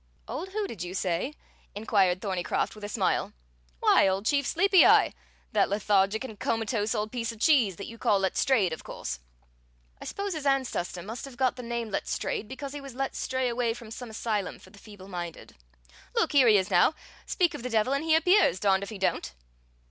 "Old who, did you say?" inquired Thorneycroft with a smile. "Why, old Chief Sleepy eye, that lethargic and comatose old piece of cheese that you call Letstrayed, of course. I suppose his ancestor must have got the name Letstrayed because he was let stray away from some asylum for the feeble minded. Look, here he is now! Speak of the devil and he appears, darned if he don't!"